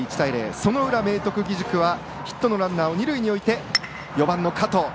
その裏、明徳義塾はヒットのランナーを二塁に置いて、４番の加藤。